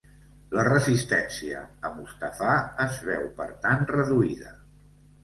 La resistència a Mustafà es veu, per tant, reduïda.